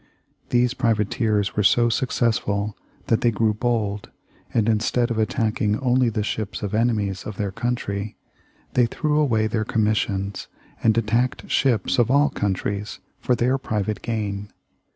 These privateers were so successful that they grew bold, and instead of attacking only the ships of enemies of their country, they threw away their commissions and attacked ships of all countries for their private gain.